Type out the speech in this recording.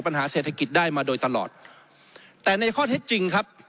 ปัญหาเศรษฐกิจได้มาโดยตลอดแต่ในข้อเท็จจริงครับ